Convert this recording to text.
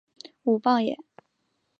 武榜眼。